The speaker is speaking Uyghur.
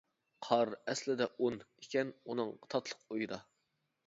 «قار ئەسلىدە ئۇن. » ئىكەن، ئۇنىڭ تاتلىق ئويىدا.